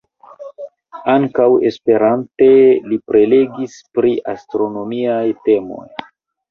Ankaŭ Esperante li prelegis pri astronomiaj temoj.